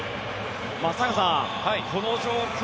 松坂さん、この状況